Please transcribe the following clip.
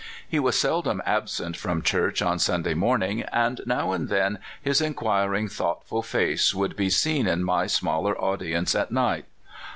He was seldom absent from church on Sunday morning, and now and then his inquiring, thoughtful face would be seen in my smaller audience at night.